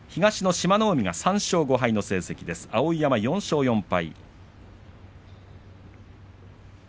志摩ノ海、３勝５敗の成績碧山４勝４敗。